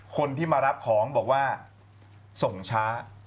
คนที่มารับของบอกว่าส่งช้า